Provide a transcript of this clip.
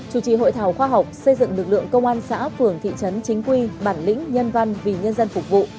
chủ trì hội thảo khoa học xây dựng lực lượng công an xã phường thị trấn chính quy bản lĩnh nhân văn vì nhân dân phục vụ